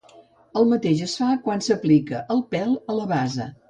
El mateix es fa quan s'aplica el pèl a la base.